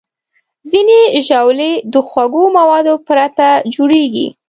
ځینې ژاولې د خوږو موادو پرته جوړېږي.